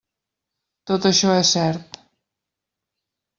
Tot això és cert.